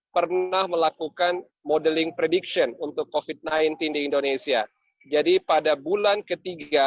pernah melakukan modeling prediction untuk covid sembilan belas di indonesia jadi pada bulan ketiga